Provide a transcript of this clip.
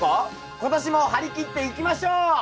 今年も張り切っていきましょう！